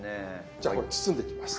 じゃあこれ包んでいきます。